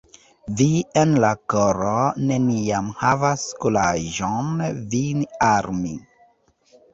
Vi en la koro neniam havas kuraĝon vin armi.